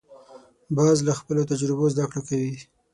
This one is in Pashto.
باز له خپلو تجربو زده کړه کوي